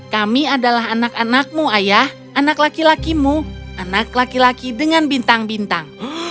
kami adalah anak anakmu ayah anak laki lakimu anak laki laki dengan bintang bintang